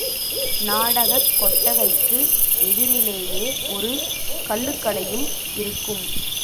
நாடகக் கொட்டகைக்கு எதிரிலேயே ஒரு கள்ளுக் கடையும் இருக்கும்.